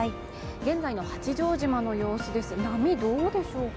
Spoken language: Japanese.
現在の八丈島の様子です波、どうでしょうか？